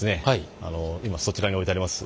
今そちらに置いてあります